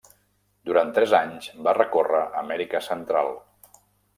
Durant tres anys va recórrer Amèrica Central.